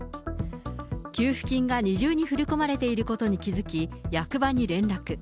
給付金が二重に振り込まれていることに気付き、役場に連絡。